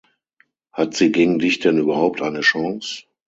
Hat sie gegen dich denn überhaupt eine Chance?